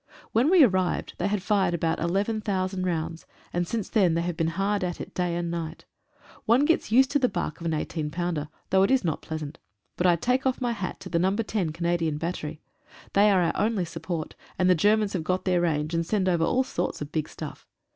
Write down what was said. When we arrived they had fired about eleven thousand rounds, and since then they have been hard at it day and night. One gets used to the bark of an 18 pounder, though it is not pleasant. But I take off my hat to No. 10 Cana dian Battery. They are our only support, and the Ger mans have got their range, and send over all sorts of big stuff.